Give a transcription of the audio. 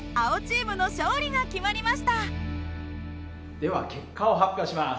では結果を発表します。